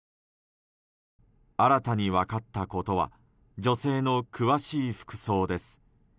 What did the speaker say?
新たに分かったことは女性の詳しい服装です。